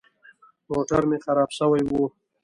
موټر مې خراب سوى و.